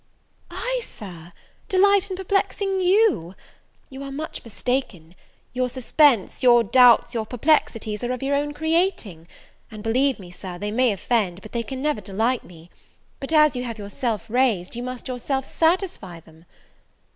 "I, Sir, delight in perplexing you! you are much mistaken. Your suspense, your doubts, your perplexities, are of your own creating; and believe me, Sir, they may offend, but they can never delight me: but as you have yourself raised, you must yourself satisfy them."